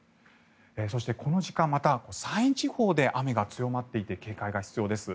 そして、この時間また山陰地方で雨が強まっていて警戒が必要です。